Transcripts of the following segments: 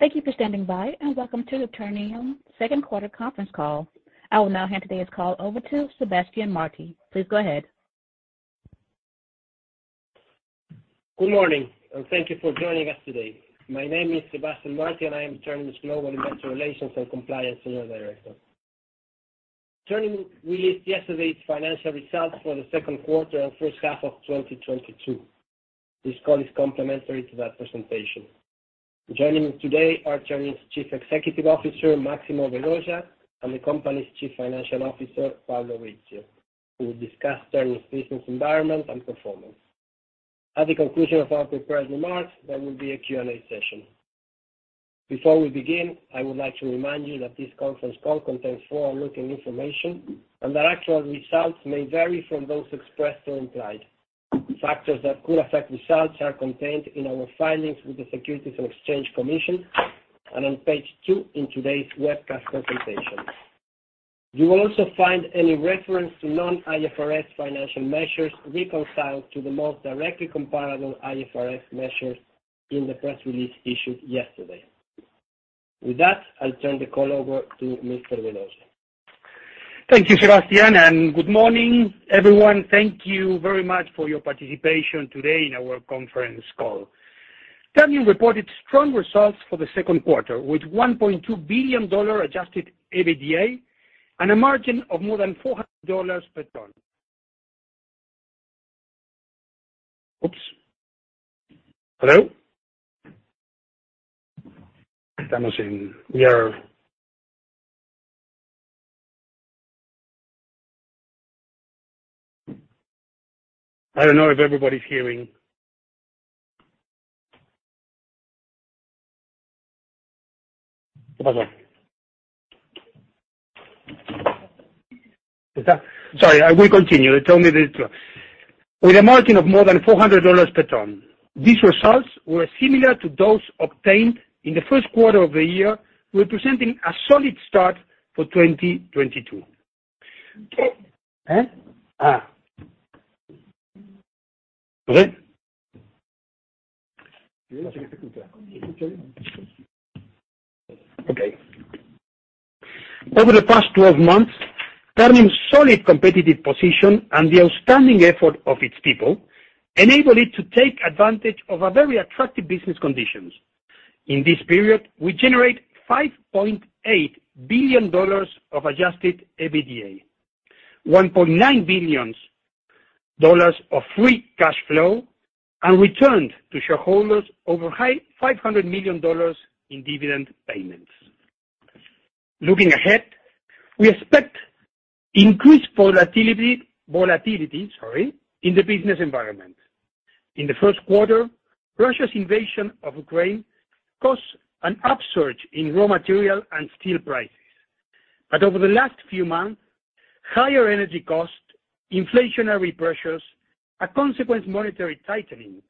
Thank you for standing by, and welcome to Ternium Second Quarter Conference Call. I will now hand today's call over to Sebastián Martí. Please go ahead. Good morning, and thank you for joining us today. My name is Sebastián Martí, and I am Ternium's Global Investor Relations and Compliance Senior Director. Ternium released yesterday its financial results for the second quarter and first half of 2022. This call is complimentary to that presentation. Joining me today are Ternium's Chief Executive Officer, Máximo Vedoya, and the company's Chief Financial Officer, Pablo Brizzio, who will discuss Ternium's business environment and performance. At the conclusion of our prepared remarks, there will be a Q&A session. Before we begin, I would like to remind you that this conference call contains forward-looking information and that actual results may vary from those expressed or implied. Factors that could affect results are contained in our filings with the Securities and Exchange Commission and on page two in today's webcast presentation. You will also find any reference to non-IFRS financial measures reconciled to the most directly comparable IFRS measures in the press release issued yesterday. With that, I'll turn the call over to Mr. Vedoya. Thank you, Sebastián, and good morning, everyone. Thank you very much for your participation today in our conference call. Ternium reported strong results for the second quarter, with $1.2 billion adjusted EBITDA and a margin of more than $400 per ton. These results were similar to those obtained in the first quarter of the year, representing a solid start for 2022. Over the past 12 months, Ternium's solid competitive position and the outstanding effort of its people enabled it to take advantage of our very attractive business conditions. In this period, we generate $5.8 billion of adjusted EBITDA, $1.9 billion of free cash flow, and returned to shareholders over $500 million in dividend payments. Looking ahead, we expect increased volatility, sorry, in the business environment. In the first quarter, Russia's invasion of Ukraine caused an upsurge in raw material and steel prices. Over the last few months, higher energy costs, inflationary pressures, a consequent monetary tightening,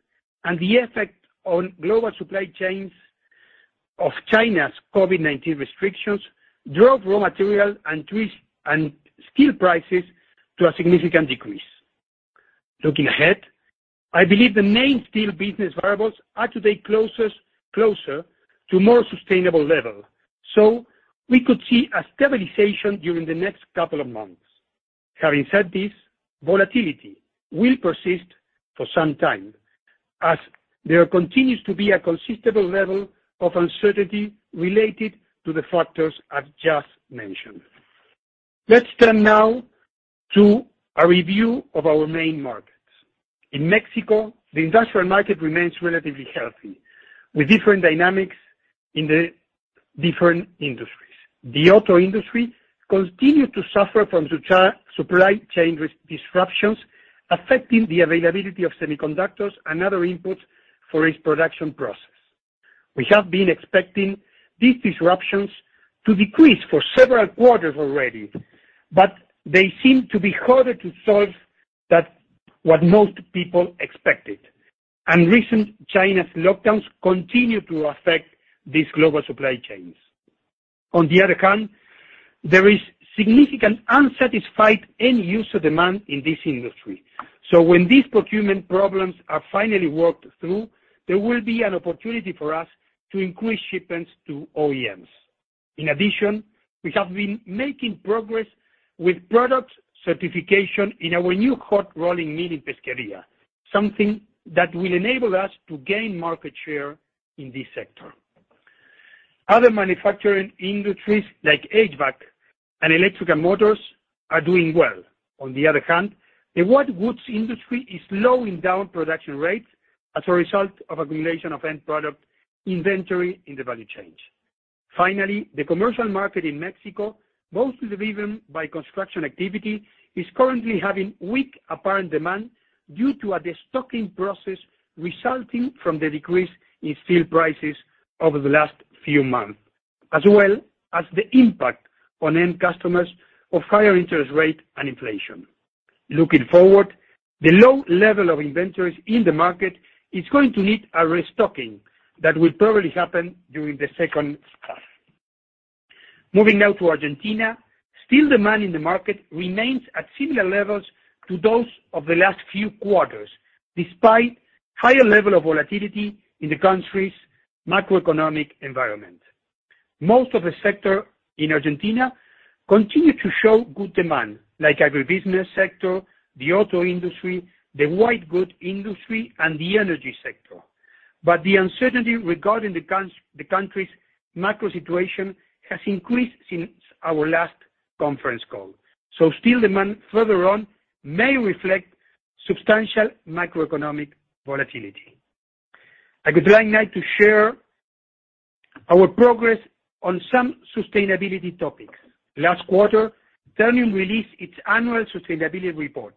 and the effect on global supply chains of China's COVID-19 restrictions drove raw material and steel prices to a significant decrease. Looking ahead, I believe the main steel business variables are today closer to more sustainable level, so we could see a stabilization during the next couple of months. Having said this, volatility will persist for some time as there continues to be a considerable level of uncertainty related to the factors I've just mentioned. Let's turn now to a review of our main markets. In Mexico, the industrial market remains relatively healthy, with different dynamics in the different industries. The auto industry continued to suffer from supply chain disruptions affecting the availability of semiconductors and other inputs for its production process. We have been expecting these disruptions to decrease for several quarters already, but they seem to be harder to solve than what most people expected, and recent China's lockdowns continue to affect these global supply chains. On the other hand, there is significant unsatisfied end user demand in this industry. When these procurement problems are finally worked through, there will be an opportunity for us to increase shipments to OEMs. In addition, we have been making progress with product certification in our new hot rolling mill in Pesquería, something that will enable us to gain market share in this sector. Other manufacturing industries, like HVAC and electrical motors, are doing well. On the other hand, the white goods industry is slowing down production rates as a result of accumulation of end product inventory in the value chains. Finally, the commercial market in Mexico, mostly driven by construction activity, is currently having weak apparent demand due to a destocking process resulting from the decrease in steel prices over the last few months, as well as the impact on end customers of higher interest rate and inflation. Looking forward, the low level of inventories in the market is going to need a restocking that will probably happen during the second half. Moving now to Argentina. Steel demand in the market remains at similar levels to those of the last few quarters, despite higher level of volatility in the country's macroeconomic environment. Most of the sector in Argentina continue to show good demand, like agribusiness sector, the auto industry, the white goods industry, and the energy sector. The uncertainty regarding the country's macro situation has increased since our last conference call. Steel demand further on may reflect substantial macroeconomic volatility. I would like now to share our progress on some sustainability topics. Last quarter, Ternium released its annual sustainability report.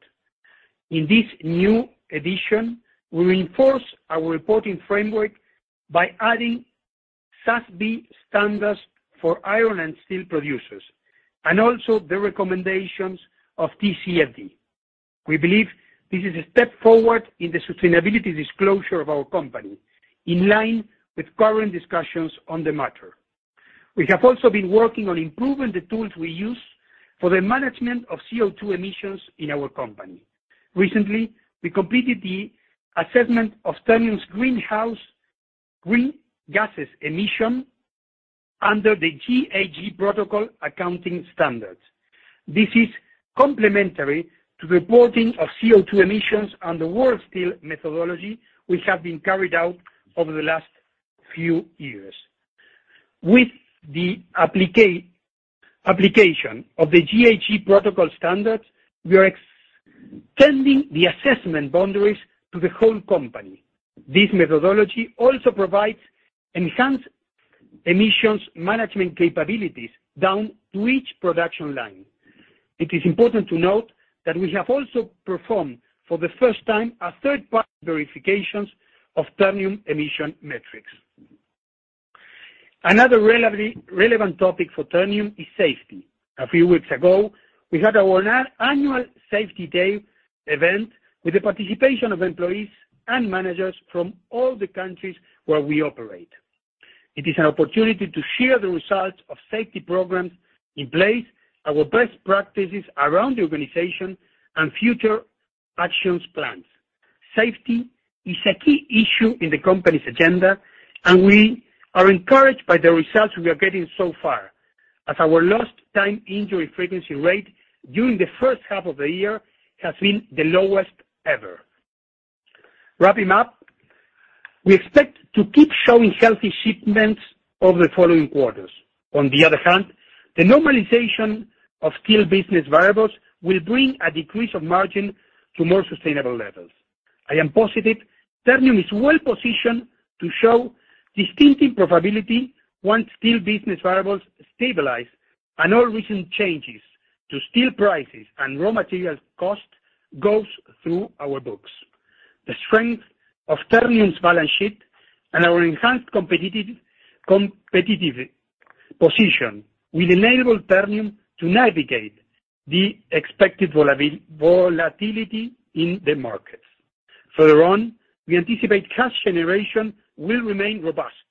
In this new edition, we reinforce our reporting framework by adding SASB standards for iron and steel producers, and also the recommendations of TCFD. We believe this is a step forward in the sustainability disclosure of our company, in line with current discussions on the matter. We have also been working on improving the tools we use for the management of CO₂ emissions in our company. Recently, we completed the assessment of Ternium's greenhouse gases emissions under the GHG Protocol Accounting Standard. This is complementary to reporting of CO₂ emissions and the World Steel methodology, which have been carried out over the last few years. With the application of the GHG Protocol Standard, we are extending the assessment boundaries to the whole company. This methodology also provides enhanced emissions management capabilities down to each production line. It is important to note that we have also performed for the first time a third-party verification of Ternium emissions metrics. Another relevant topic for Ternium is safety. A few weeks ago, we had our annual safety day event with the participation of employees and managers from all the countries where we operate. It is an opportunity to share the results of safety programs in place, our best practices around the organization, and future action plans. Safety is a key issue in the company's agenda, and we are encouraged by the results we are getting so far, as our lost time injury frequency rate during the first half of the year has been the lowest ever. Wrapping up, we expect to keep showing healthy shipments over the following quarters. On the other hand, the normalization of steel business variables will bring a decrease of margin to more sustainable levels. I am positive Ternium is well positioned to show distinctive profitability once steel business variables stabilize and all recent changes to steel prices and raw material cost goes through our books. The strength of Ternium's balance sheet and our enhanced competitive position will enable Ternium to navigate the expected volatility in the markets. Further on, we anticipate cash generation will remain robust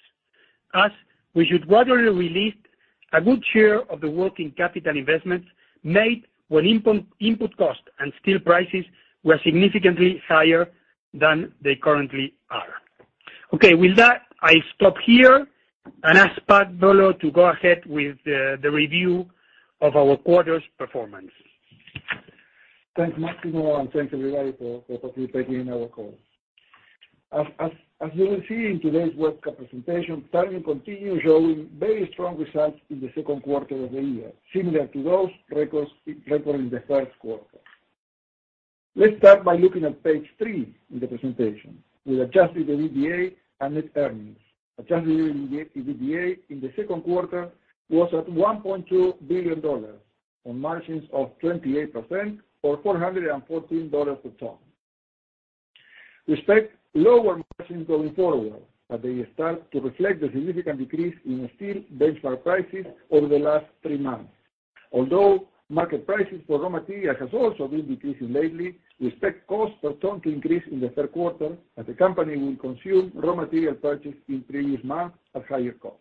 as we should gradually release a good share of the working capital investments made when input costs and steel prices were significantly higher than they currently are. Okay, with that, I stop here and ask Pablo to go ahead with the review of our quarter's performance. Thanks, Máximo, and thanks everybody for participating in our call. As you will see in today's webcast presentation, Ternium continues showing very strong results in the second quarter of the year, similar to those records it recorded in the first quarter. Let's start by looking at page three in the presentation with adjusted EBITDA and net earnings. Adjusted EBITDA in the second quarter was at $1.2 billion on margins of 28% or $414 per ton. We expect lower margins going forward as they start to reflect the significant decrease in steel benchmark prices over the last three months. Although market prices for raw materials has also been decreasing lately, we expect cost per ton to increase in the third quarter as the company will consume raw material purchased in previous months at higher cost.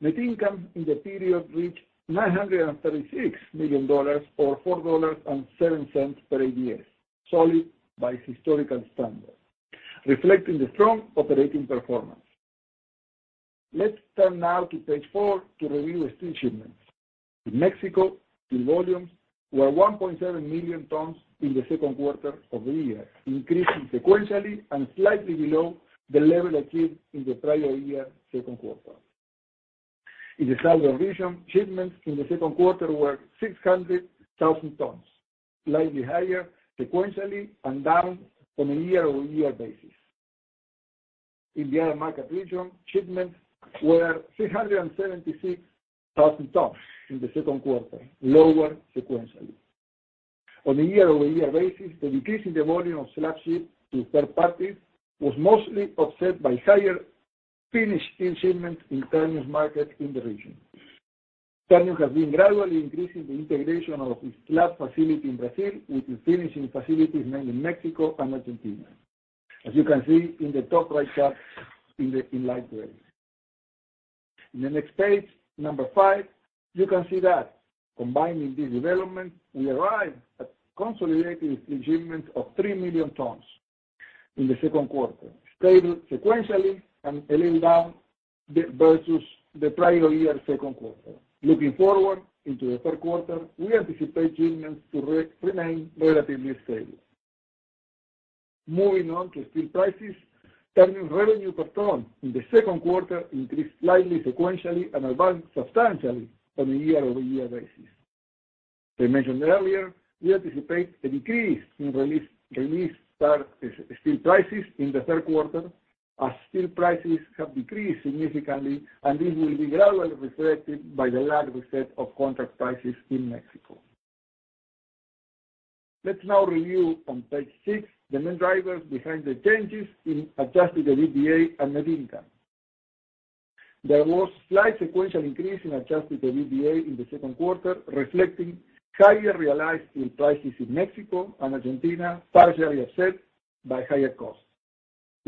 Net income in the period reached $936 million or $4.07 per ADS, solid by historical standards, reflecting the strong operating performance. Let's turn now to page four to review the steel shipments. In Mexico, steel volumes were 1.7 million tons in the second quarter of the year, increasing sequentially and slightly below the level achieved in the prior year second quarter. In the Southern region, shipments in the second quarter were 600,000 tons, slightly higher sequentially and down on a year-over-year basis. In the other market region, shipments were 376,000 tons in the second quarter, lower sequentially. On a year-over-year basis, the decrease in the volume of slab shipped to third parties was mostly offset by higher finished steel shipments in Ternium's market in the region. Ternium has been gradually increasing the integration of its slab facility in Brazil, with the finishing facilities made in Mexico and Argentina. As you can see in the top right chart in light gray. In the next page, number five, you can see that combining these developments, we arrived at consolidated shipments of 3 million tons in the second quarter, stable sequentially and a little down versus the prior year second quarter. Looking forward into the third quarter, we anticipate shipments to remain relatively stable. Moving on to steel prices. Ternium revenue per ton in the second quarter increased slightly sequentially and advanced substantially on a year-over-year basis. As I mentioned earlier, we anticipate a decrease in realized flat steel prices in the third quarter as steel prices have decreased significantly, and this will be gradually reflected by the lag effect of contract prices in Mexico. Let's now review on page six the main drivers behind the changes in adjusted EBITDA and net income. There was a slight sequential increase in adjusted EBITDA in the second quarter, reflecting higher realized steel prices in Mexico and Argentina, partially offset by higher costs.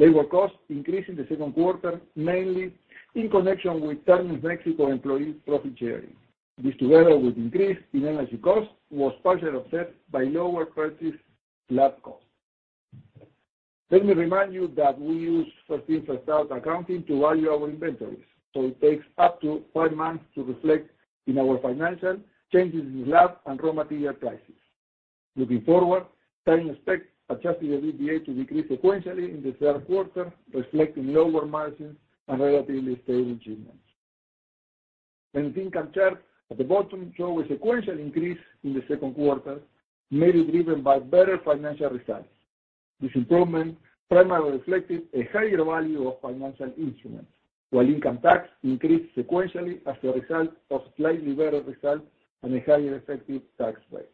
Labor costs increased in the second quarter, mainly in connection with Ternium Mexico employee profit sharing. This, together with increase in energy costs, was partially offset by lower purchased slab costs. Let me remind you that we use first-in, first-out accounting to value our inventories, so it takes up to five months to reflect in our financials changes in slab and raw material prices. Looking forward, Ternium expects adjusted EBITDA to decrease sequentially in the third quarter, reflecting lower margins and relatively stable shipments. Net income chart at the bottom show a sequential increase in the second quarter, mainly driven by better financial results. This improvement primarily reflected a higher value of financial instruments, while income tax increased sequentially as a result of slightly better results and a higher effective tax rate.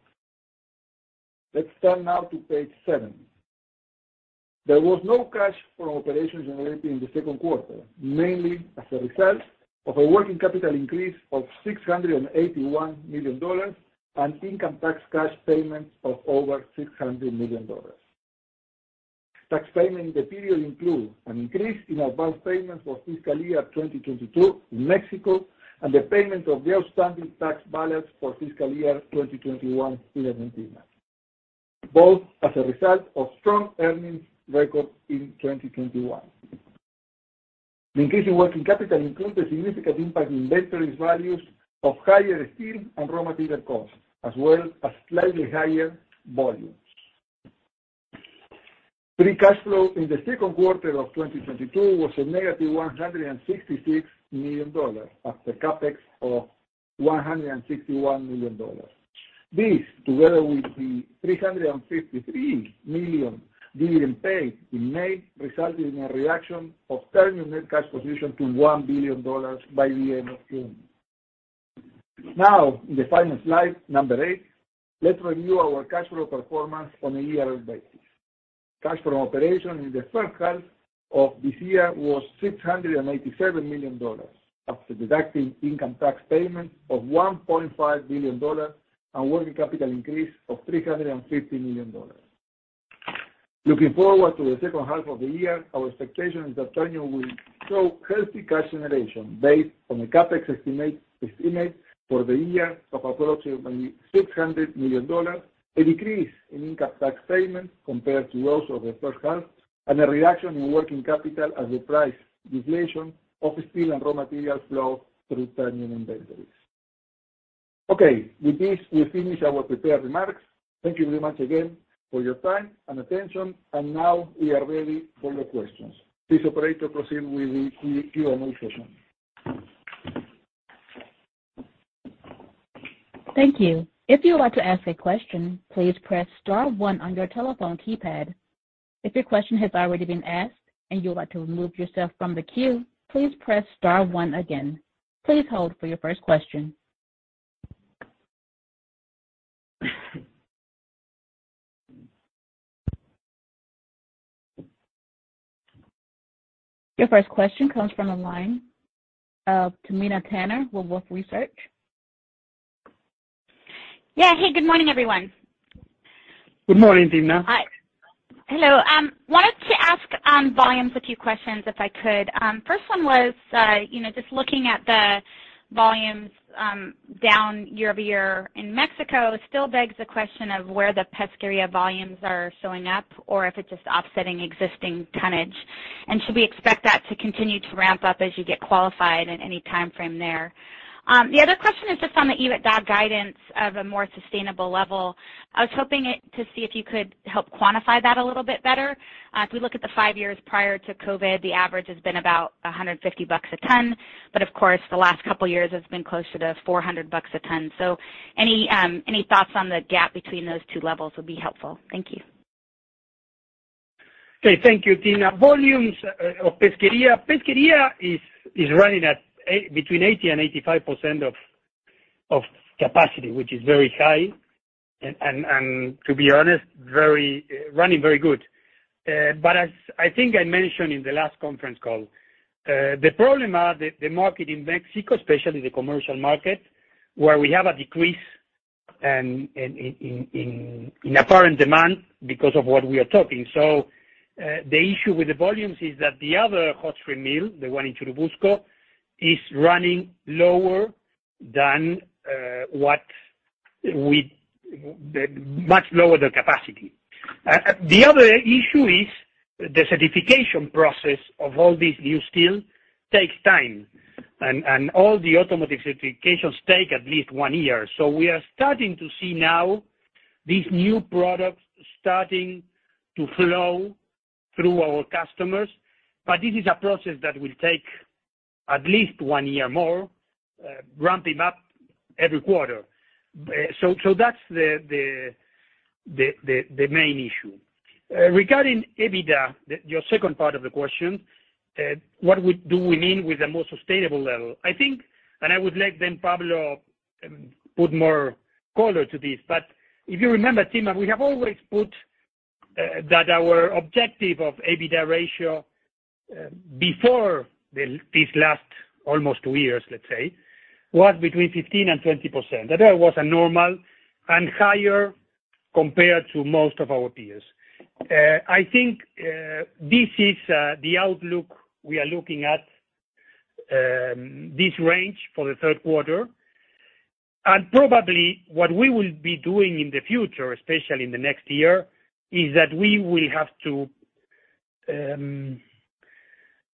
Let's turn now to page seven. There was no cash from operations generated in the second quarter, mainly as a result of a working capital increase of $681 million and income tax cash payments of over $600 million. Tax payments in the period includes an increase in advanced payments for fiscal year 2022 in Mexico and the payment of the outstanding tax balance for fiscal year 2021 in Argentina, both as a result of strong earnings recorded in 2021. The increase in working capital includes a significant impact in inventory values of higher steel and raw material costs as well as slightly higher volumes. Free cash flow in the second quarter of 2022 was -$166 million after CapEx of $161 million. This, together with the $353 million dividend paid in May, resulted in a reduction of Ternium's net cash position to $1 billion by the end of June. Now in the final slide, number eight, let's review our cash flow performance on a year-over-year basis. Cash from operations in the first half of this year was $687 million, after deducting income tax payments of $1.5 billion and working capital increase of $350 million. Looking forward to the second half of the year, our expectation is that Ternium will show healthy cash generation based on a CapEx estimate for the year of approximately $600 million, a decrease in income tax payments compared to those of the first half, and a reduction in working capital as a price deflation of steel and raw materials flow through Ternium inventories. Okay. With this, we've finished our prepared remarks. Thank you very much again for your time and attention. Now we are ready for the questions. Please, operator, proceed with the Q&A session. Thank you. If you would like to ask a question, please press star one on your telephone keypad. If your question has already been asked and you would like to remove yourself from the queue, please press star one again. Please hold for your first question. Your first question comes from the line of Timna Tanners with Wolfe Research. Yeah. Hey, good morning, everyone. Good morning, Timna. Hello. Wanted to ask a few questions if I could. First one was, you know, just looking at the volumes down year-over-year in Mexico still begs the question of where the Pesquería volumes are showing up or if it's just offsetting existing tonnage. Should we expect that to continue to ramp up as you get qualified and any timeframe there? The other question is just on the EBITDA guidance of a more sustainable level. I was hoping to see if you could help quantify that a little bit better. If we look at the five years prior to COVID, the average has been about $150 a ton, but of course, the last couple years it's been closer to $400 a ton. Any thoughts on the gap between those two levels would be helpful. Thank you. Okay. Thank you, Timna. Volumes of Pesquería. Pesquería is running between 80% and 85% of capacity, which is very high. To be honest, running very good. As I think I mentioned in the last conference call, the problem are the market in Mexico, especially the commercial market, where we have a decrease and in apparent demand because of what we are talking. The issue with the volumes is that the other hot strip mill, the one in Churubusco, is running much lower than the capacity. The other issue is the certification process of all this new steel takes time and all the automotive certifications take at least one year. We are starting to see now these new products starting to flow through our customers, but this is a process that will take at least one year more, ramping up every quarter. That's the main issue. Regarding EBITDA, your second part of the question, what we mean with a more sustainable level. I think I would let Pablo put more color to this, but if you remember, Timna, we have always put that our objective of EBITDA ratio before this last almost two years, let's say, was between 15% and 20%. That was a normal and higher compared to most of our peers. I think this is the outlook we are looking at, this range for the third quarter. Probably what we will be doing in the future, especially in the next year, is that we will have to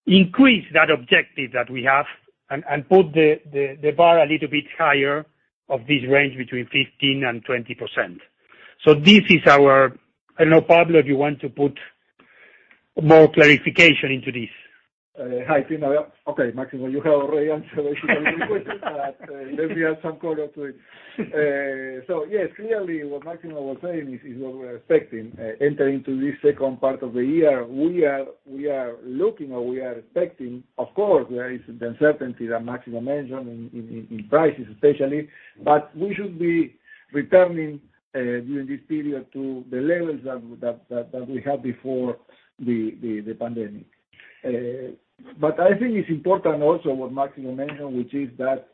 increase that objective that we have and put the bar a little bit higher of this range between 15% and 20%. This is our. I don't know, Pablo, if you want to put more clarification into this. Hi, Timna. Okay, Máximo, you have already answered some of the questions, but let me add some color to it. Yes, clearly what Máximo was saying is what we're expecting entering into this second part of the year. We are looking or we are expecting, of course, there is the uncertainty that Máximo mentioned in prices especially, but we should be returning during this period to the levels that we had before the pandemic. I think it's important also what Máximo mentioned, which is that,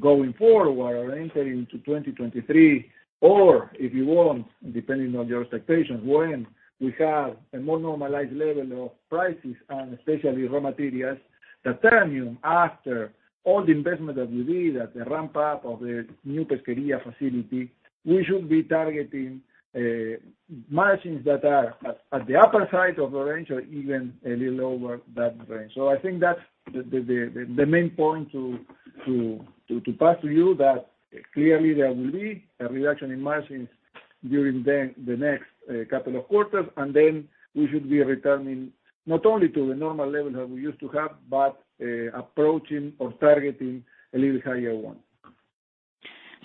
going forward or entering into 2023 or, if you want, depending on your expectations, when we have a more normalized level of prices and especially raw materials, that Ternium, after all the investment that we did at the ramp up of the new Pesquería facility, we should be targeting, margins that are at the upper side of the range or even a little over that range. I think that's the main point to pass to you that clearly there will be a reduction in margins during the next couple of quarters, and then we should be returning not only to the normal level that we used to have, but, approaching or targeting a little higher one.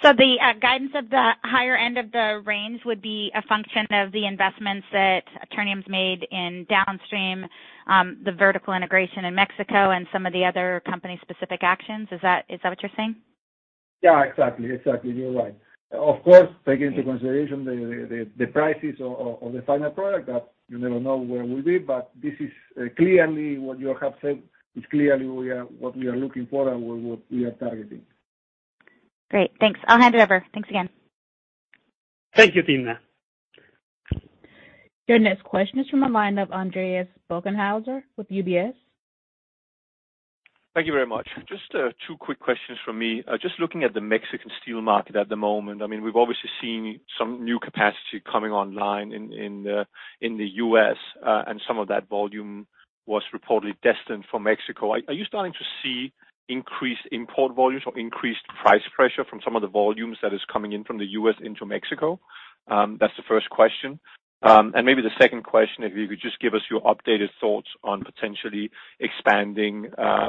The guidance of the higher end of the range would be a function of the investments that Ternium's made in downstream, the vertical integration in Mexico and some of the other company specific actions? Is that what you're saying? Yeah, exactly. You're right. Of course, taking into consideration the prices of the final product that you never know where we'll be, but this is clearly what you have said, it's clearly what we are looking for and we are targeting. Great. Thanks. I'll hand it over. Thanks again. Thank you, Timna. Your next question is from the line of Andreas Bokkenheuser with UBS. Thank you very much. Just two quick questions from me. Just looking at the Mexican steel market at the moment, I mean, we've obviously seen some new capacity coming online in the U.S., and some of that volume was reportedly destined for Mexico. Are you starting to see increased import volumes or increased price pressure from some of the volumes that is coming in from the U.S. into Mexico? That's the first question. Maybe the second question, if you could just give us your updated thoughts on potentially expanding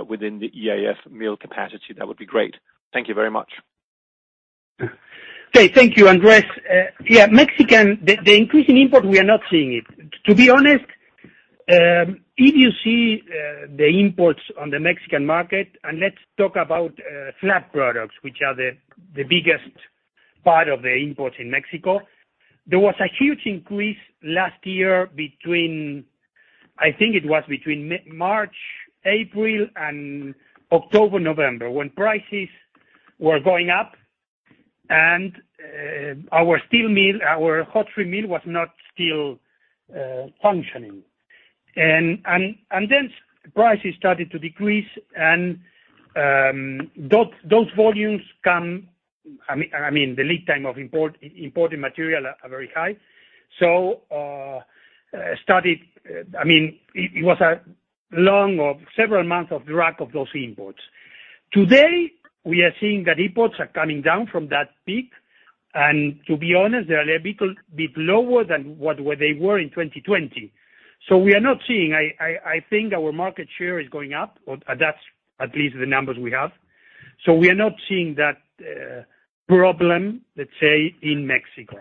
within the EAF mill capacity, that would be great. Thank you very much. Okay. Thank you, Andreas. Yeah, Mexican, the increasing import, we are not seeing it. To be honest, if you see the imports on the Mexican market, and let's talk about flat products, which are the biggest part of the imports in Mexico, there was a huge increase last year between, I think it was between March, April and October, November, when prices were going up and our steel mill, our hot strip mill was not still functioning. Then prices started to decrease and those volumes come, I mean, the lead time of import, importing material are very high. It started, I mean, it was a long or several months of drag of those imports. Today, we are seeing that imports are coming down from that peak, and to be honest, they're a little bit lower than what they were in 2020. We are not seeing. I think our market share is going up, or that's at least the numbers we have. We are not seeing that problem, let's say, in Mexico,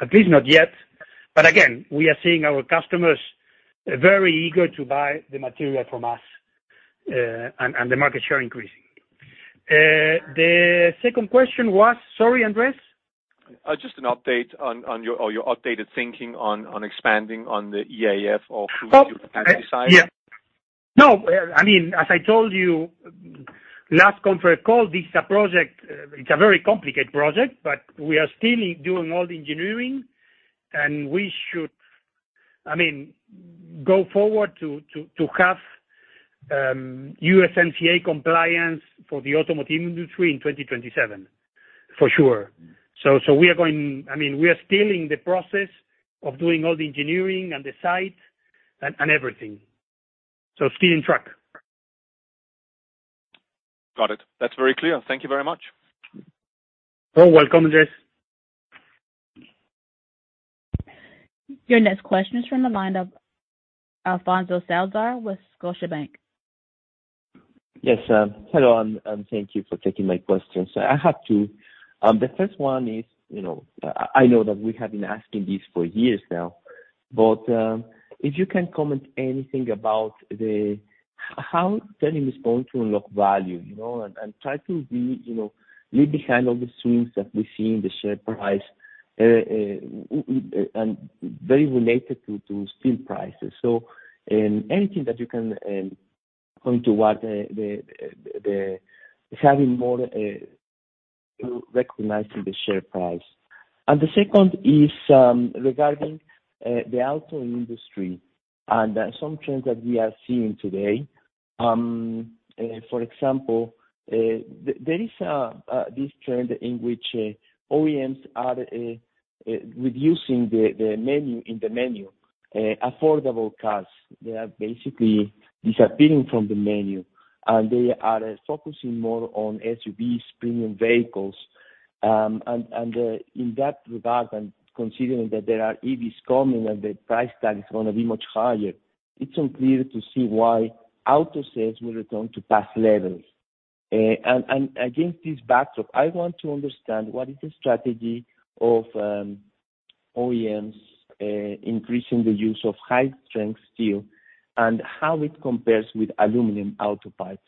at least not yet. Again, we are seeing our customers very eager to buy the material from us, and the market share increasing. The second question was, sorry, Andreas? Just an update on your updated thinking on expanding on the EAF or who you have decided. Oh, yeah. No, I mean, as I told you last conference call, this is a project, it's a very complicated project, but we are still doing all the engineering, and we should, I mean, go forward to have USMCA compliance for the automotive industry in 2027, for sure. We are still in the process of doing all the engineering and the site and everything. Still on track. Got it. That's very clear. Thank you very much. You're welcome, Andreas. Your next question is from the line of Alfonso Salazar with Scotiabank. Yes, hello, and thank you for taking my questions. I have two. The first one is, you know, I know that we have been asking this for years now, but if you can comment anything about how Ternium is going to unlock value, you know, and try to, you know, leave behind all the swings that we're seeing, the share price, which is very related to steel prices. Anything that you can point toward having more recognition of the share price. The second is regarding the auto industry and some trends that we are seeing today. For example, there is this trend in which OEMs are reducing the menu of affordable cars. They are basically disappearing from the menu, and they are focusing more on SUVs, premium vehicles. In that regard, considering that there are EVs coming and the price tag is gonna be much higher, it's unclear to see why auto sales will return to past levels. Against this backdrop, I want to understand what is the strategy of OEMs increasing the use of high-strength steel and how it compares with aluminum auto parts.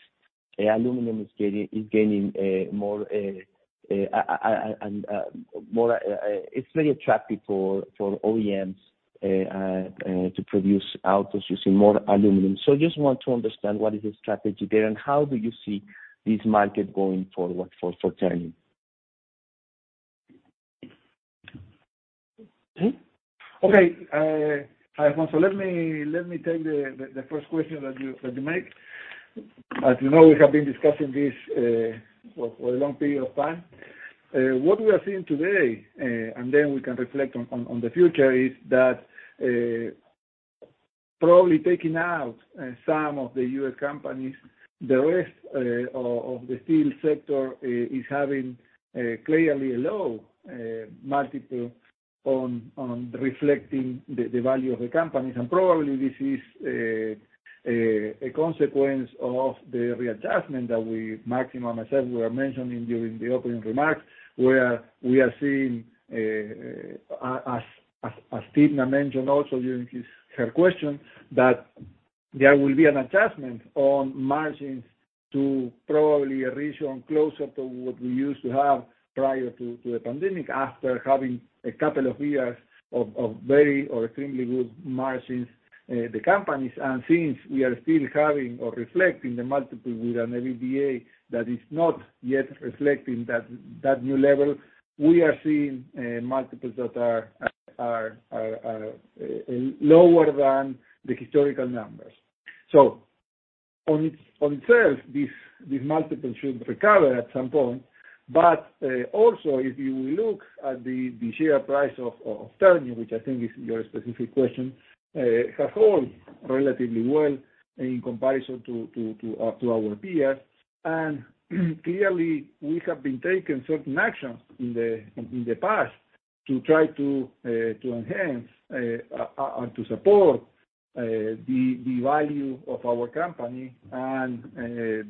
Aluminum is gaining more and more, it's very attractive for OEMs to produce autos using more aluminum. I just want to understand what is the strategy there, and how do you see this market going forward for Ternium? Okay. Alfonso, let me take the first question that you make. As you know, we have been discussing this for a long period of time. What we are seeing today and then we can reflect on the future is that probably taking out some of the U.S. companies, the rest of the steel sector is having clearly a low multiple on reflecting the value of the companies. Probably this is a consequence of the readjustment that we, Máximo and myself, were mentioning during the opening remarks, where we are seeing, as Timna mentioned also during her question, that there will be an adjustment on margins to probably a ratio closer to what we used to have prior to the pandemic, after having a couple of years of very or extremely good margins, the companies. Since we are still having or reflecting the multiple with an EBITDA that is not yet reflecting that new level, we are seeing multiples that are lower than the historical numbers. On itself, these multiples should recover at some point. Also, if you look at the share price of Ternium, which I think is your specific question, has held relatively well in comparison to our peers. Clearly, we have been taking certain actions in the past to try to enhance and to support the value of our company.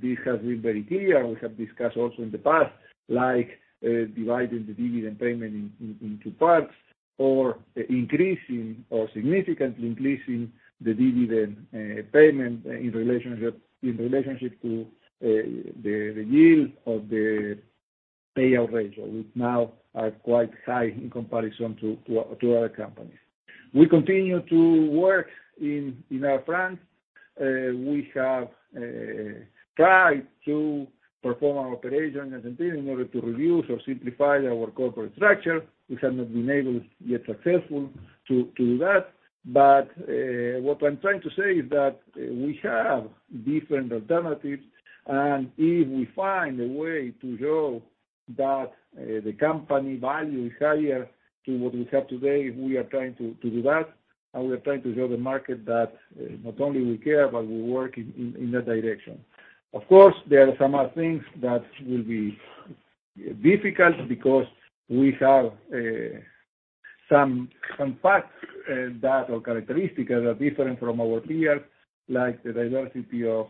This has been very clear. We have discussed also in the past, like, dividing the dividend payment in two parts or increasing or significantly increasing the dividend payment in relationship to the yield of the payout ratio, which now are quite high in comparison to our company. We continue to work in our front. We have tried to perform our operation as a team in order to reduce or simplify our corporate structure. We have not been able, yet successful to do that. What I'm trying to say is that we have different alternatives. If we find a way to show that the company value is higher to what we have today, we are trying to do that, and we are trying to show the market that not only we care, but we work in that direction. Of course, there are some other things that will be difficult because we have some facts that or characteristics that are different from our peers, like the diversity of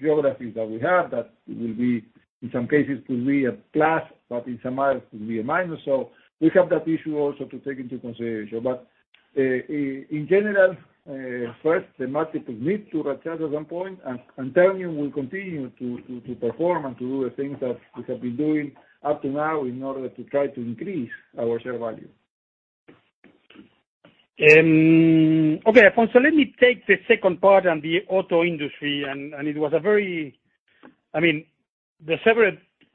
geographies that we have that will be, in some cases could be a plus, but in some others could be a minus. We have that issue also to take into consideration. In general, first the market have led Ternium at one point, and Ternium will continue to perform and to do the things that we have been doing up to now in order to try to increase our share value. Okay, Alfonso, let me take the second part on the auto industry, and it was a very... I mean, there are several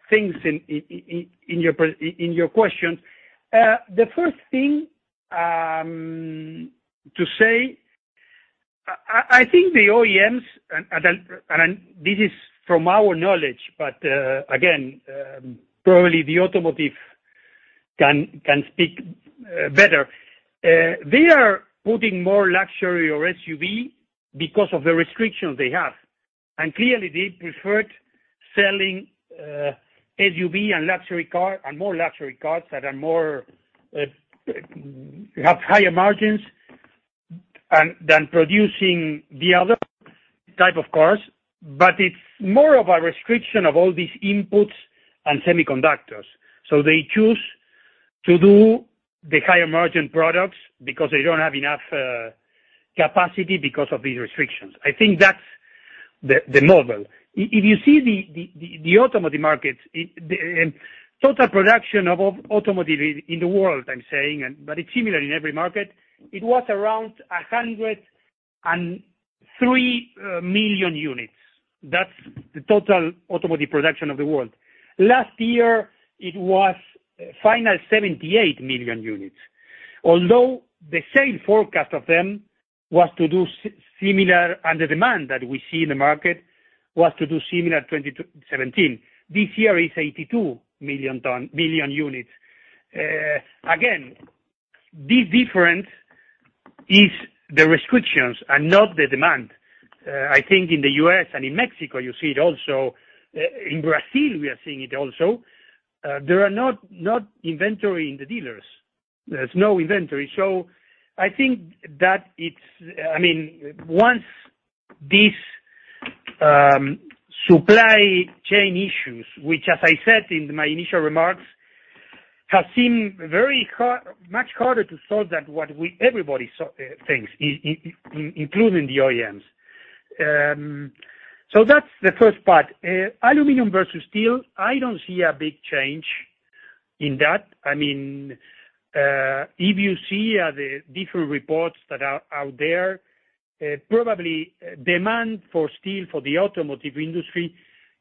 things in your question. The first thing to say, I think the OEMs and this is from our knowledge, but again, probably the automotive can speak better. They are putting more luxury or SUV because of the restrictions they have. Clearly they preferred selling SUV and luxury car and more luxury cars that are more have higher margins than producing the other type of cars. It's more of a restriction of all these inputs and semiconductors. They choose to do the higher margin products because they don't have enough capacity because of these restrictions. I think that's the normal. If you see the automotive markets, the total production of automotive in the world, I'm saying, but it's similar in every market, it was around 103 million units. That's the total automotive production of the world. Last year, it was 78 million units. Although the same forecast of them was to do similar and the demand that we see in the market was to do similar to 2017. This year is 82 million units. Again, this difference is the restrictions and not the demand. I think in the U.S. and in Mexico, you see it also. In Brazil, we are seeing it also. There are not inventory in the dealers. There's no inventory. I think that it's. I mean, once these supply chain issues, which as I said in my initial remarks, have seemed much harder to solve than what everybody thinks, including the OEMs. That's the first part. Aluminum versus steel, I don't see a big change in that. I mean, if you see the different reports that are out there, probably demand for steel for the automotive industry,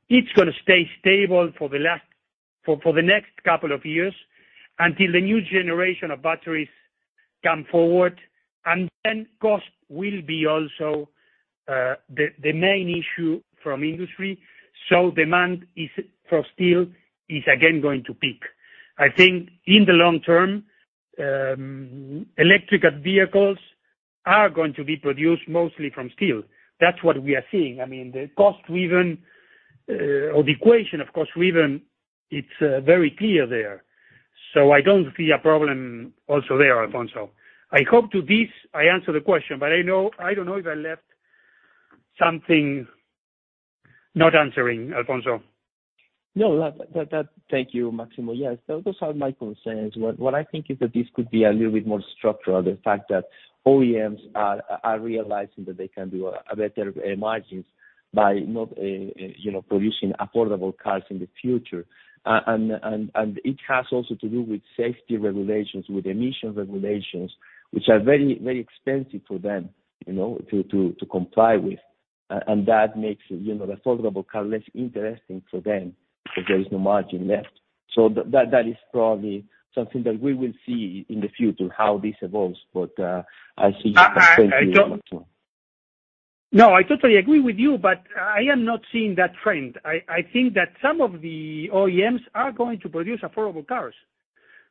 it's gonna stay stable for the next couple of years until the new generation of batteries come forward. Then cost will be also the main issue for the industry. Demand for steel is again going to peak. I think in the long term, electric vehicles are going to be produced mostly from steel. That's what we are seeing. I mean, the cost driven or the equation of cost driven, it's very clear there. I don't see a problem also there, Alfonso. I hope to this, I answer the question, but I don't know if I left something not answering, Alfonso. No, that. Thank you, Máximo. Yes. Those are my concerns. What I think is that this could be a little bit more structural, the fact that OEMs are realizing that they can do a better margins by not, you know, producing affordable cars in the future. It has also to do with safety regulations, with emission regulations, which are very, very expensive for them, you know, to comply with. That makes, you know, the affordable car less interesting for them if there is no margin left. That is probably something that we will see in the future how this evolves. I see. I don't. Thank you, Máximo. No, I totally agree with you, but I am not seeing that trend. I think that some of the OEMs are going to produce affordable cars.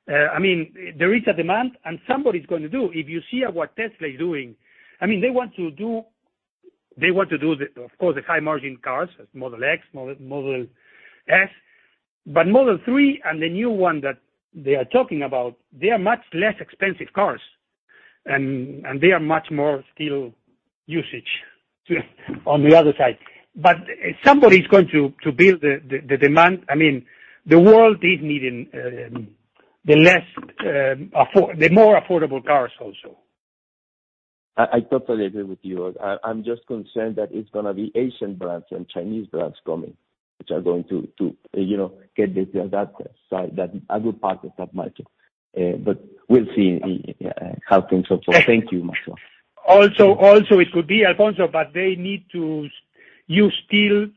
I mean, there is a demand and somebody's gonna do. If you see what Tesla is doing, I mean, they want to do the, of course, the high margin cars, Model X, Model S. Model 3 and the new one that they are talking about, they are much less expensive cars. They are much more steel usage on the other side. Somebody's going to build the demand. I mean, the world is needing the more affordable cars also. I totally agree with you. I'm just concerned that it's gonna be Asian brands and Chinese brands coming, which are going to get the adapter. That a good part of that market. But we'll see how things go. Thank you, Máximo. Also, it could be Alfonso, but they need to use steel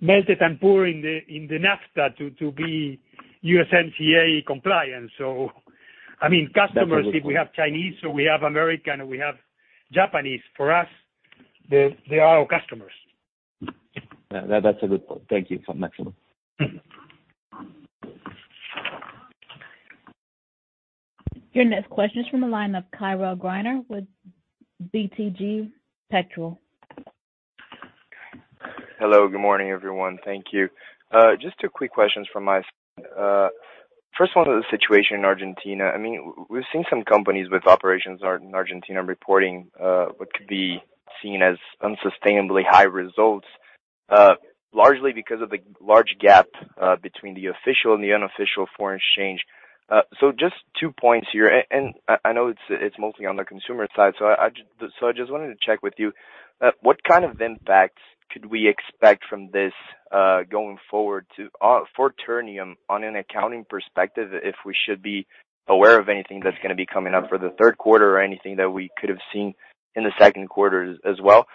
melted and poured in the NAFTA to be USMCA compliant. I mean, customers- That's a good point. If we have Chinese, or we have American, or we have Japanese, for us, they are our customers. Yeah, that's a good point. Thank you, Máximo. Your next question is from the line of Caio Greiner with BTG Pactual. Hello, good morning, everyone. Thank you. Just two quick questions from my side. First one on the situation in Argentina. I mean, we've seen some companies with operations in Argentina reporting what could be seen as unsustainably high results, largely because of the large gap between the official and the unofficial foreign exchange. Just two points here. I know it's mostly on the consumer side, so I just wanted to check with you, what kind of impact could we expect from this going forward for Ternium on an accounting perspective, if we should be aware of anything that's gonna be coming up for the third quarter or anything that we could have seen in the second quarter as well?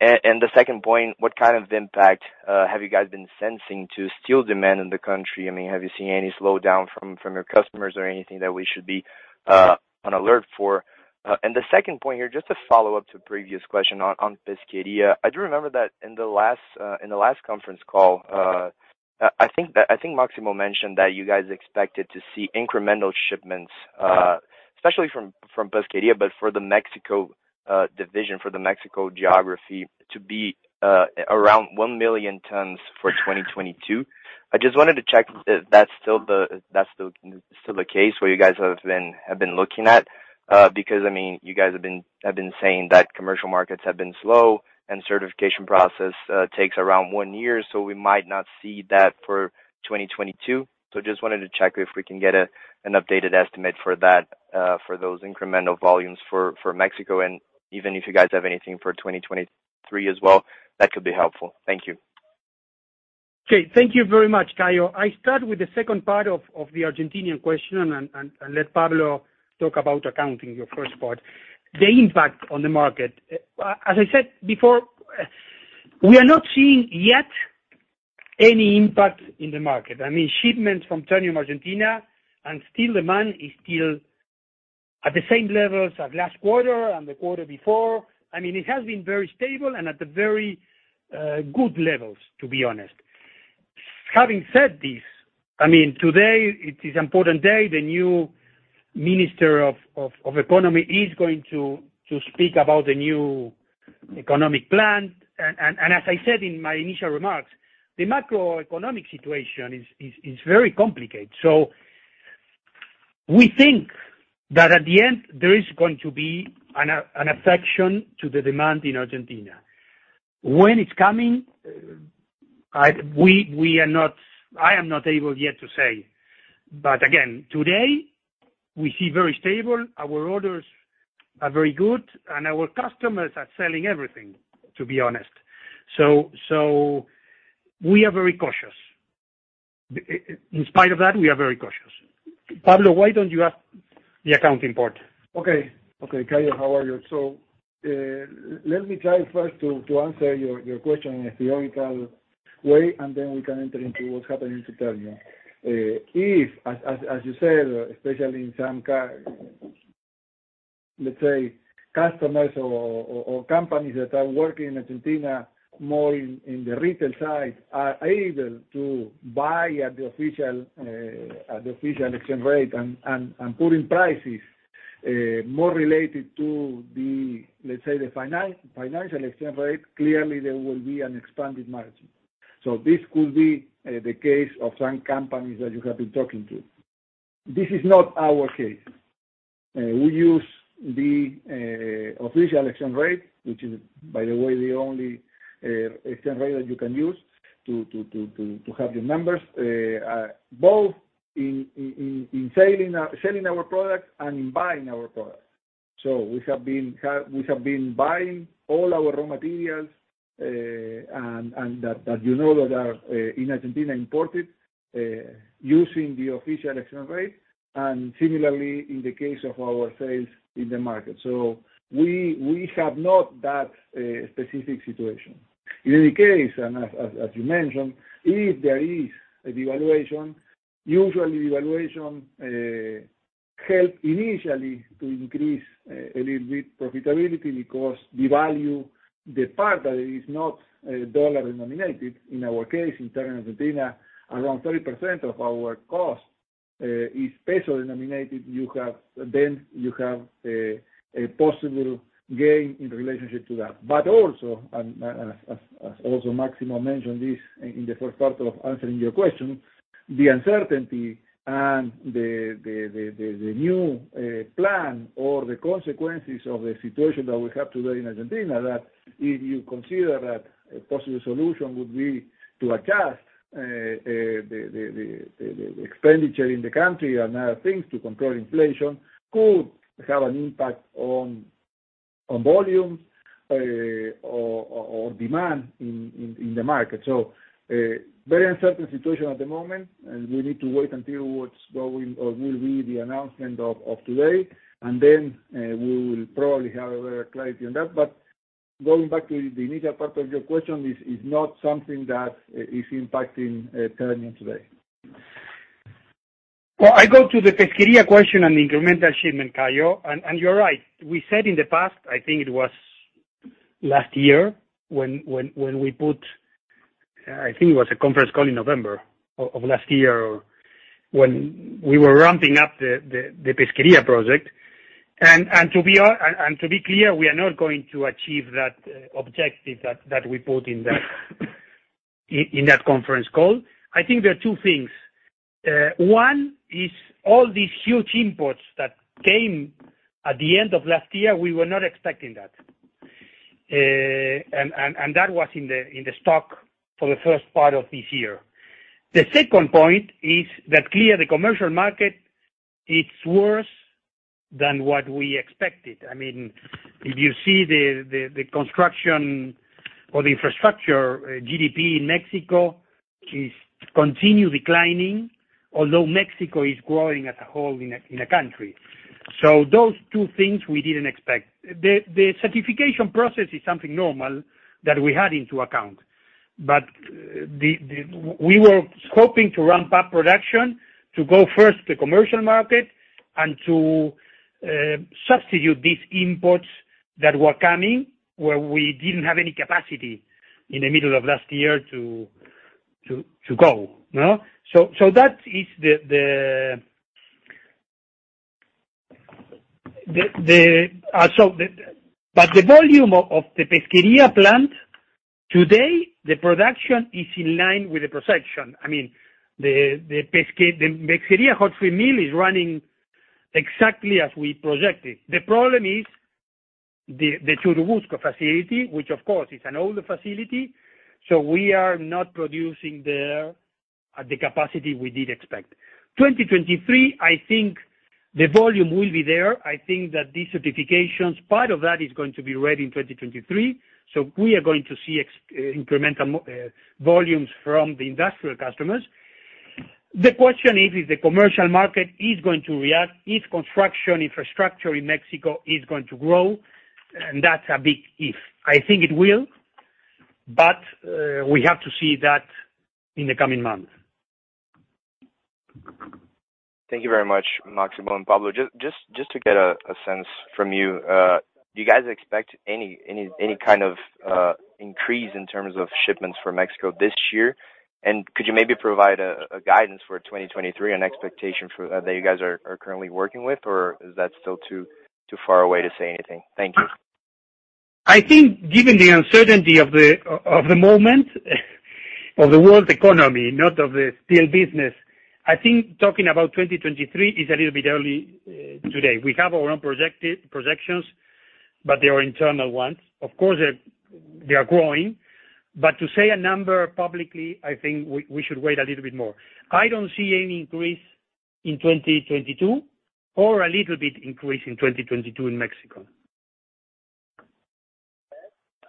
The second point, what kind of impact have you guys been sensing on steel demand in the country? I mean, have you seen any slowdown from your customers or anything that we should be on alert for? The second point here, just a follow-up to a previous question on Pesquería. I do remember that in the last conference call, I think Máximo mentioned that you guys expected to see incremental shipments, especially from Pesquería, but for the Mexico division, for the Mexico geography to be around 1 million tons for 2022. I just wanted to check if that's still the case where you guys have been looking at. Because, I mean, you guys have been saying that commercial markets have been slow and certification process takes around one year, so we might not see that for 2022. Just wanted to check if we can get an updated estimate for that, for those incremental volumes for Mexico, and even if you guys have anything for 2023 as well, that could be helpful. Thank you. Okay. Thank you very much, Caio. I start with the second part of the Argentinian question and let Pablo talk about accounting, your first part. The impact on the market. As I said before, we are not seeing yet any impact in the market. I mean, shipments from Ternium Argentina and steel demand is still at the same levels as last quarter and the quarter before. I mean, it has been very stable and at the very good levels, to be honest. Having said this, I mean, today it is important day. The new minister of economy is going to speak about the new economic plan. As I said in my initial remarks, the macroeconomic situation is very complicated. We think that at the end there is going to be an effect on the demand in Argentina. When it's coming, I am not able yet to say. Again, today, we see very stable, our orders are very good, and our customers are selling everything, to be honest. We are very cautious. In spite of that, we are very cautious. Pablo, why don't you add the accounting part? Okay, Caio, how are you? Let me try first to answer your question in a theoretical way, and then we can enter into what's happening to Ternium. If as you said, especially in some let's say customers or companies that are working in Argentina more in the retail side are able to buy at the official exchange rate and put in prices more related to the let's say the financial exchange rate, clearly there will be an expanded margin. This could be the case of some companies that you have been talking to. This is not our case. We use the official exchange rate, which is, by the way, the only exchange rate that you can use to have the numbers both in selling our products and in buying our products. We have been buying all our raw materials, and that you know that are imported in Argentina using the official exchange rate, and similarly in the case of our sales in the market. We have not that specific situation. In any case, as you mentioned, if there is a devaluation, usually devaluation help initially to increase a little bit profitability because devalue the part that is not dollar denominated. In our case, in Ternium Argentina, around 30% of our cost is peso denominated. You have a possible gain in relationship to that. As also Máximo mentioned this in the first part of answering your question, the uncertainty and the new plan or the consequences of the situation that we have today in Argentina, that if you consider that a possible solution would be to adjust the expenditure in the country and other things to control inflation could have an impact on volumes or demand in the market. Very uncertain situation at the moment, and we need to wait until what's going or will be the announcement of today. We will probably have a clarity on that. Going back to the initial part of your question, this is not something that is impacting Ternium today. Well, I go to the Pesquería question on incremental shipment, Caio. You're right. We said in the past. I think it was last year when we put, I think it was a conference call in November of last year or when we were ramping up the Pesquería project. To be clear, we are not going to achieve that objective that we put in that conference call. I think there are two things. One is all these huge imports that came at the end of last year. We were not expecting that. That was in the stock for the first part of this year. The second point is that the commercial market, it's worse than what we expected. I mean, if you see the construction or the infrastructure GDP in Mexico is continuing to decline, although Mexico is growing as a whole in a country. Those two things we didn't expect. The certification process is something normal that we had taken into account. We were hoping to ramp up production to go first to commercial market and to substitute these imports that were coming, where we didn't have any capacity in the middle of last year to go, you know. That is the volume of the Pesquería plant. Today, the production is in line with the projection. I mean, the Pesquería HRC mill is running exactly as we projected. The problem is the Churubusco facility, which of course is an older facility, so we are not producing the capacity we did expect. 2023, I think the volume will be there. I think that these certifications, part of that is going to be ready in 2023, so we are going to see incremental volumes from the industrial customers. The question is, if the commercial market is going to react, if construction infrastructure in Mexico is going to grow, and that's a big if. I think it will, but we have to see that in the coming months. Thank you very much, Máximo and Pablo. Just to get a sense from you, do you guys expect any kind of increase in terms of shipments for Mexico this year? Could you maybe provide a guidance for 2023, an expectation for that you guys are currently working with, or is that still too far away to say anything? Thank you. I think given the uncertainty of the moment, of the world's economy, not of the steel business, I think talking about 2023 is a little bit early today. We have our own projections, but they are internal ones. Of course, they are growing. To say a number publicly, I think we should wait a little bit more. I don't see any increase in 2022 or a little bit increase in 2022 in Mexico.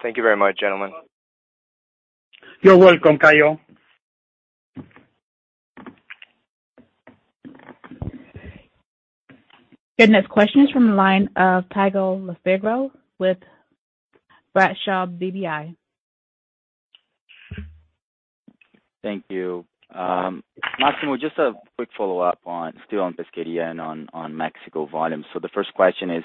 Thank you very much, gentlemen. You're welcome, Caio. Good. Next question is from the line of Thiago Lofiego with Bradesco BBI. Thank you. Máximo, just a quick follow-up, still on Pesquería and on Mexico volumes. The first question is,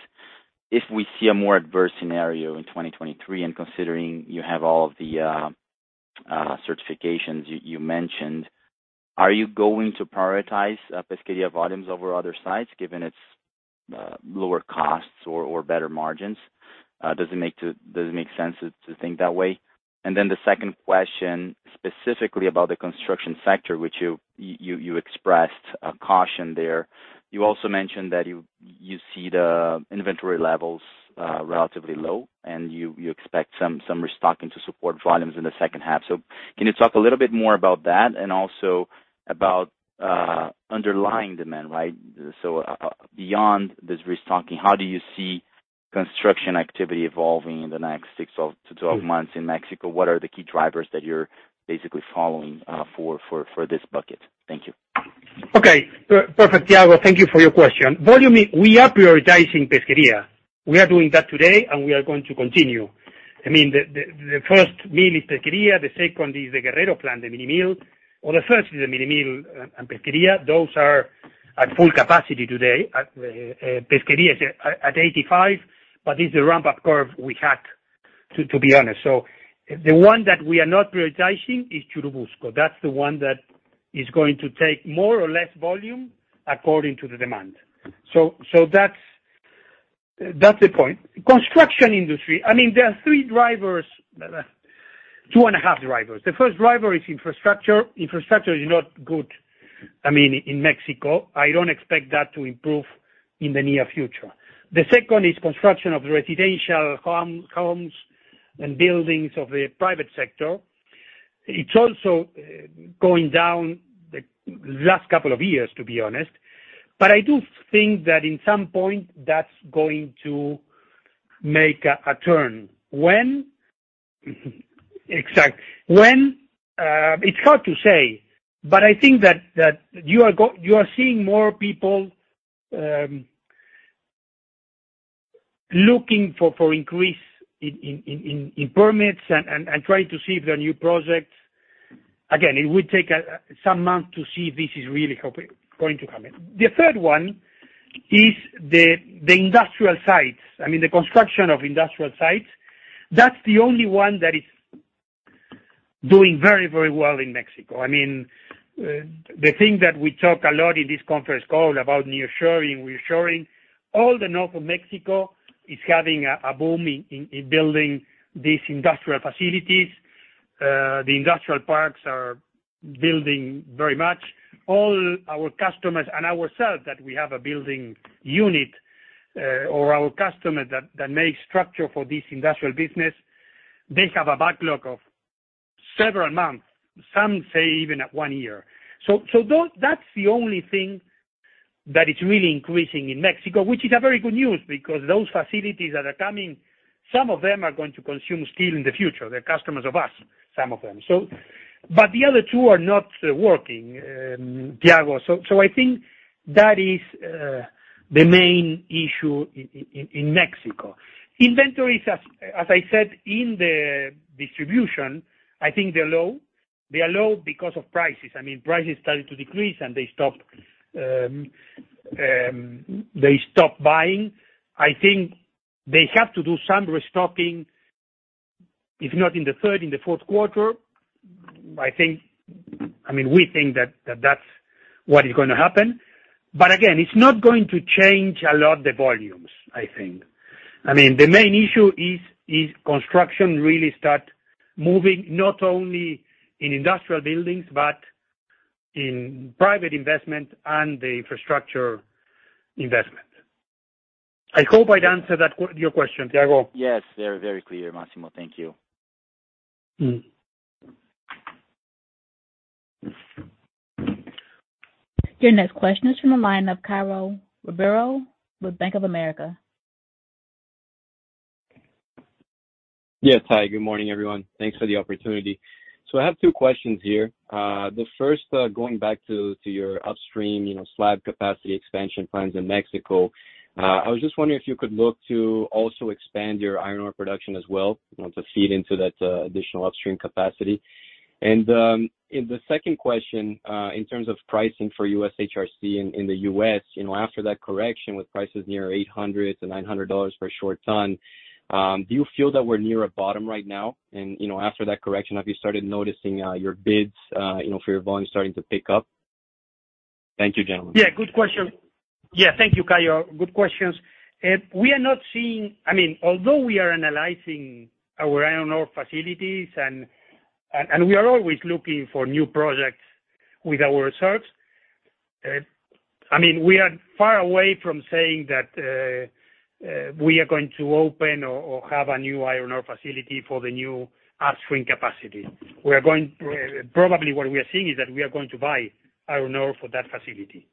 if we see a more adverse scenario in 2023 and considering you have all of the certifications you mentioned, are you going to prioritize Pesquería volumes over other sites given its lower costs or better margins? Does it make sense to think that way? The second question, specifically about the construction sector, which you expressed a caution there. You also mentioned that you see the inventory levels relatively low, and you expect some restocking to support volumes in the second half. Can you talk a little bit more about that and also about underlying demand, right? Beyond this restocking, how do you see construction activity evolving in the next six to 12 months in Mexico? What are the key drivers that you're basically following for this bucket? Thank you. Perfect, Thiago. Thank you for your question. Volume, we are prioritizing Pesquería. We are doing that today, and we are going to continue. I mean, the first mill is Pesquería, the second is the Guerrero plant, the mini mill. The first is the mini mill and Pesquería. Those are at full capacity today. Pesquería is at 85%, but it's a ramp-up curve we had, to be honest. The one that we are not prioritizing is Churubusco. That's the one that is going to take more or less volume according to the demand. That's the point. Construction industry, I mean, there are three drivers, two and a half drivers. The first driver is infrastructure. Infrastructure is not good, I mean, in Mexico. I don't expect that to improve in the near future. The second is construction of residential homes and buildings of the private sector. It's also going down the last couple of years, to be honest. I do think that in some point, that's going to make a turn. When? It's hard to say. I think that you are seeing more people looking for increase in permits and trying to see if there are new projects. Again, it would take some months to see if this is really going to happen. The third one is the industrial sites. I mean, the construction of industrial sites. That's the only one that is doing very well in Mexico. I mean, the thing that we talk a lot in this conference call about nearshoring, reshoring, all the north of Mexico is having a boom in building these industrial facilities. The industrial parks are building very much. All our customers and ourselves that we have a building unit, or our customer that makes structure for this industrial business, they have a backlog of several months, some say even at one year. That's the only thing that is really increasing in Mexico, which is a very good news because those facilities that are coming, some of them are going to consume steel in the future. They're customers of us, some of them. But the other two are not working, Thiago. I think that is the main issue in Mexico. Inventories, as I said, in the distribution, I think they're low. They are low because of prices. I mean, prices started to decrease and they stopped buying. I think they have to do some restocking, if not in the third, in the fourth quarter. I think, I mean, we think that that's what is gonna happen. But again, it's not going to change a lot the volumes, I think. I mean, the main issue is construction really start moving not only in industrial buildings, but in private investment and the infrastructure investment. I hope I'd answer that your question, Thiago. Yes, they're very clear, Máximo. Thank you. Mm. Your next question is from the line of Caio Ribeiro with Bank of America. Yes. Hi, good morning, everyone. Thanks for the opportunity. I have two questions here. The first, going back to your upstream, you know, slab capacity expansion plans in Mexico. I was just wondering if you could look to also expand your iron ore production as well, you know, to feed into that additional upstream capacity. The second question, in terms of pricing for US HRC in the U.S., you know, after that correction with prices near $800-$900 for a short ton, do you feel that we're near a bottom right now? You know, after that correction, have you started noticing your bids, you know, for your volume starting to pick up? Thank you, gentlemen. Yeah, good question. Yeah. Thank you, Caio. Good questions. I mean, although we are analyzing our iron ore facilities and we are always looking for new projects with our reserves, I mean, we are far away from saying that we are going to open or have a new iron ore facility for the new upstream capacity. Probably what we are seeing is that we are going to buy iron ore for that facility.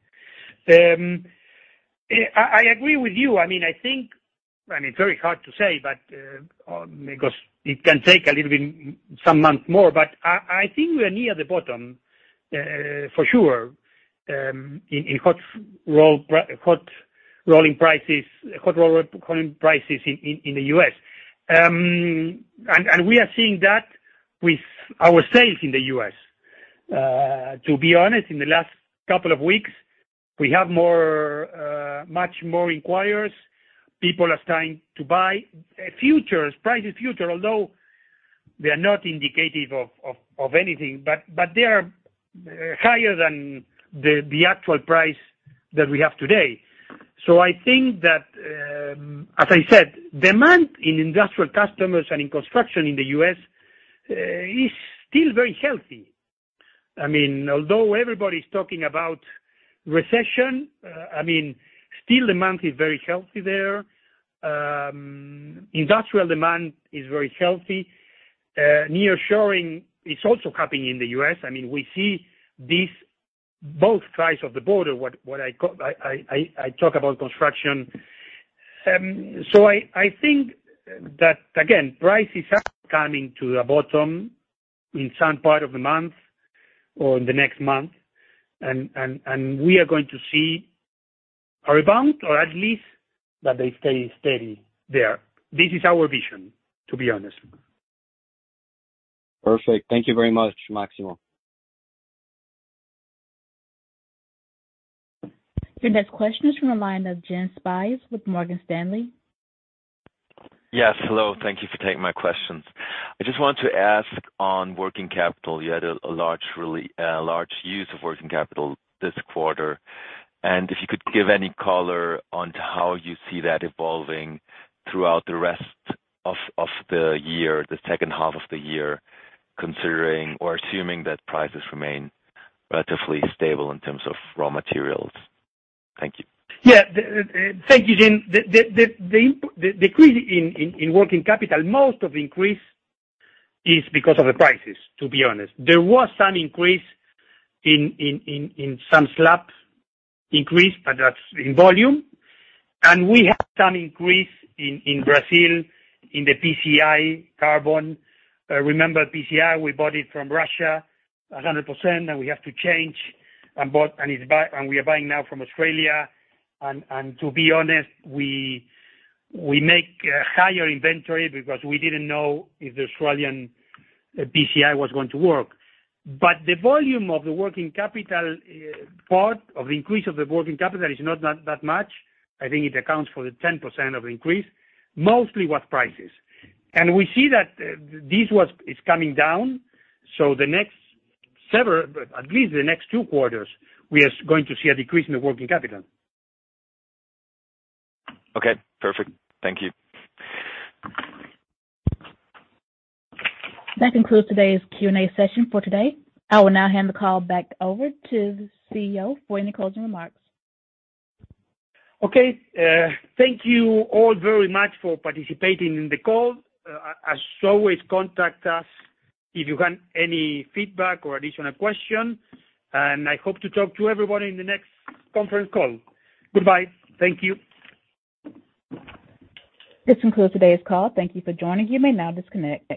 I agree with you. I mean, I think. I mean, it's very hard to say, but because it can take a little bit, some months more. But I think we are near the bottom, for sure, in hot rolling prices in the U.S. We are seeing that with our sales in the U.S. To be honest, in the last couple of weeks, we have much more inquiries. People are starting to buy futures prices future. Although they are not indicative of anything, but they are higher than the actual price that we have today. I think that, as I said, demand in industrial customers and in construction in the U.S. is still very healthy. I mean, although everybody's talking about recession, I mean, still demand is very healthy there. Industrial demand is very healthy. Nearshoring is also happening in the U.S. I mean, we see this both sides of the border, I talk about construction. I think that again, prices are coming to a bottom in some part of the month or in the next month. We are going to see a rebound or at least that they stay steady there. This is our vision, to be honest. Perfect. Thank you very much, Máximo. Your next question is from the line of Jens Spiess with Morgan Stanley. Yes. Hello. Thank you for taking my questions. I just want to ask on working capital, you had a large use of working capital this quarter. If you could give any color on how you see that evolving throughout the rest of the year, the second half of the year, considering or assuming that prices remain relatively stable in terms of raw materials. Thank you. Yeah. Thank you, Jen. The uptick in working capital, most of the increase is because of the prices, to be honest. There was some increase in some slabs, but that's in volume. We had some increase in Brazil in the PCI carbon. Remember, PCI, we bought it from Russia 100%, and we had to change and buy, and we are buying now from Australia. To be honest, we make a higher inventory because we didn't know if the Australian PCI was going to work. The volume of the working capital, part of the increase of the working capital is not that much. I think it accounts for the 10% of the increase, mostly with prices. We see that this is coming down. The next several, at least the next two quarters, we are going to see a decrease in the working capital. Okay. Perfect. Thank you. That concludes today's Q&A session for today. I will now hand the call back over to the CEO for any closing remarks. Okay. Thank you all very much for participating in the call. As always, contact us if you have any feedback or additional question, and I hope to talk to everybody in the next conference call. Goodbye. Thank you. This concludes today's call. Thank you for joining. You may now disconnect.